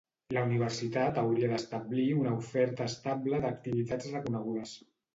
La Universitat hauria d'establir una oferta estable d'activitats reconegudes.